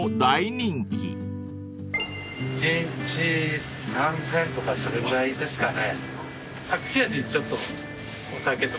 １日３，０００とかそれぐらいですかね。